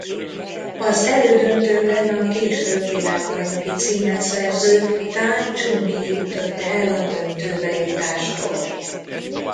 Az elődöntőben a később világbajnoki címet szerző Tan Csung-ji ütötte el a döntőbe jutástól.